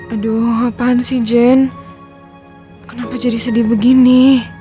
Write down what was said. aduh apaan sih jen kenapa jadi sedih begini